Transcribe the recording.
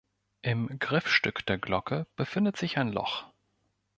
Im Griffstück der Glocke befindet sich ein Loch.